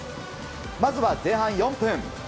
まずは前半４分。